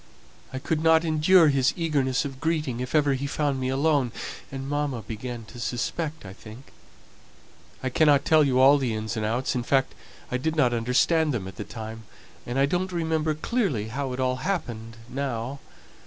I couldn't endure his eagerness of greeting if ever he found me alone; and mamma began to suspect, I think. I cannot tell you all the ins and outs; in fact, I didn't understand them at the time, and I don't remember clearly how it all happened now.